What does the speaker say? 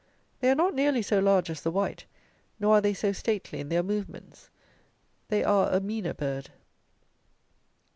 They are not nearly so large as the white, nor are they so stately in their movements. They are a meaner bird.